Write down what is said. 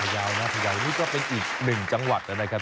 ยาวนะพยาวนี่ก็เป็นอีกหนึ่งจังหวัดนะครับ